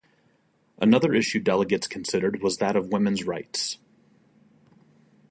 Another issue delegates considered was that of women's rights.